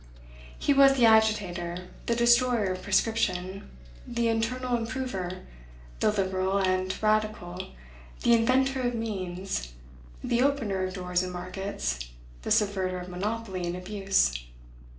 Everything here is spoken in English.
He was the agitator, the destroyer of prescription, the internal improver, the liberal, the radical, the inventor of means, the opener of doors and markets, the subverter of monopoly and abuse.